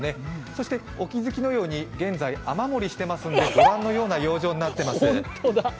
そしてお気づきのように現在雨漏りしていますのでご覧のような養生になっています。